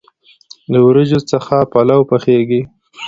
له وریجو څخه پلو پخیږي.